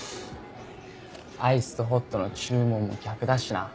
アイスとホットの注文も逆だしな。